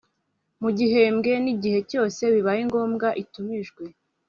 mu gihembwe n igihe cyose bibaye ngombwa itumijwe